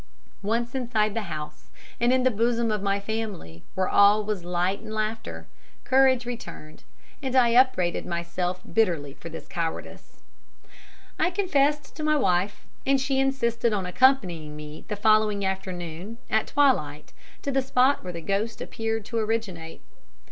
Once inside the house, and in the bosom of my family, where all was light and laughter, courage returned, and I upbraided myself bitterly for this cowardice. I confessed to my wife, and she insisted on accompanying me the following afternoon, at twilight, to the spot where the ghost appeared to originate.